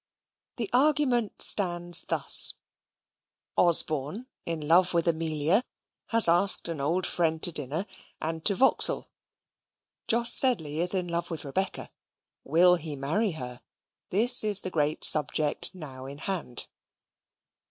The argument stands thus Osborne, in love with Amelia, has asked an old friend to dinner and to Vauxhall Jos Sedley is in love with Rebecca. Will he marry her? That is the great subject now in hand.